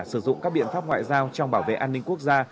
sử dụng các biện pháp ngoại giao trong bảo vệ an ninh quốc gia